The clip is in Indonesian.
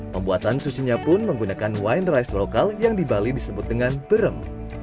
pembuatan susinya pun menggunakan wine rice lokal yang di bali disebut dengan berem